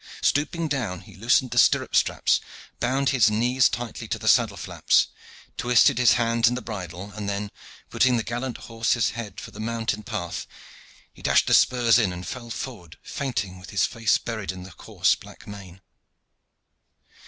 Stooping down, he loosened the stirrup straps, bound his knees tightly to his saddle flaps, twisted his hands in the bridle, and then, putting the gallant horse's head for the mountain path, he dashed the spurs in and fell forward fainting with his face buried in the coarse, black mane.